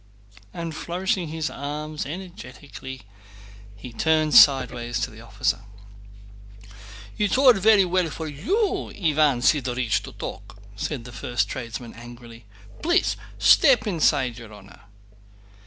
And flourishing his arm energetically he turned sideways to the officer. "It's all very well for you, Iván Sidórych, to talk," said the first tradesman angrily. "Please step inside, your honor!"